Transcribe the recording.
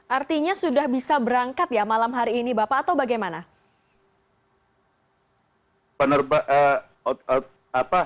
artinya sudah bisa berangkat ya malam hari ini bapak atau bagaimana